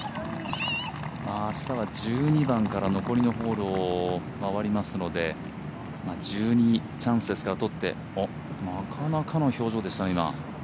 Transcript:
明日は１２番から残りのホールを回りますので１２、チャンスですからとっておっ、なかなかの表情でしたね、今。